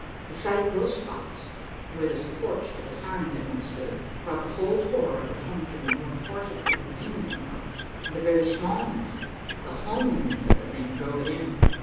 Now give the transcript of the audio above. The sight of those spots, where the supports to the sign had once stood, brought the whole horror of it home to me more forcibly than anything else. The very smallness, the homeliness of the thing drove it in.